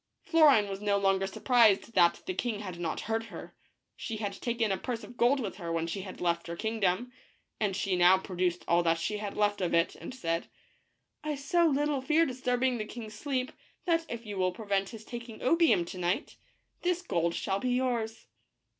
Florine was no longer surprised that the king had not heard her. She had taken a purse of gold with her when she left her kingdom, and she now produced all that she had left of it, and said, " I so little fear disturbing the king's sleep that if you will prevent his taking opium to night, this gold shall be yours."